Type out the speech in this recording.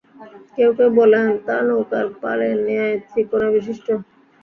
কেউ কেউ বলেন, তা নৌকার পালের ন্যায় ত্রিকোণা বিশিষ্ট।